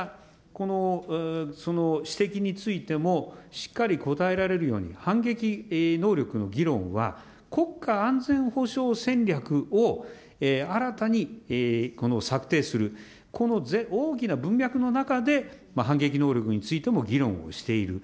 ですから、こうした指摘についてもしっかり答えられるように、反撃能力の議論は、国家安全保障戦略を新たに策定する、この大きな文脈の中で反撃能力についても議論をしている。